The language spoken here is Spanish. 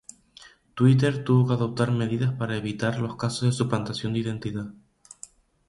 Twitter tuvo que adoptar medidas para evitar los casos de suplantación de identidad.